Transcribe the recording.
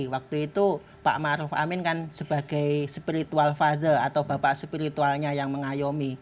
waktu itu pak maruf amin kan sebagai spiritual fathle atau bapak spiritualnya yang mengayomi